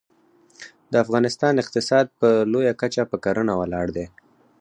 د افغانستان اقتصاد په لویه کچه په کرنه ولاړ دی